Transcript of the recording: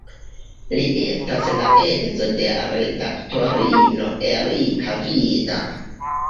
Li estas la edzo de redaktorino Erika Vida.